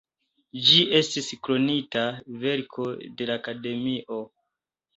Ĝi estis Kronita Verko de la Akademio.